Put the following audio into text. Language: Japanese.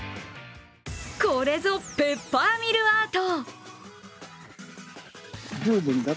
これぞペッパーミルアート。